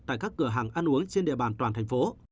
tại các cửa hàng ăn uống trên địa bàn toàn thành phố